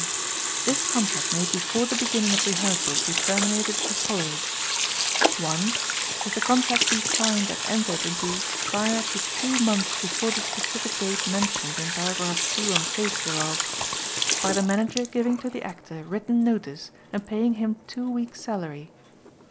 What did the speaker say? This contract may before the beginning of rehearsals be terminated as follows: (1) If the contract be signed and entered into prior to two months before the specific date mentioned in Paragraph 2 on face hereof; By the Manager giving to the Actor written notice and paying him two weeks' salary.